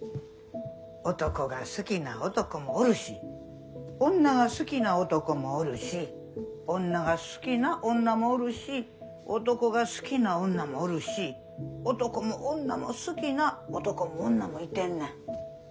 男が好きな男もおるし女が好きな男もおるし女が好きな女もおるし男が好きな女もおるし男も女も好きな男も女もいてんねん。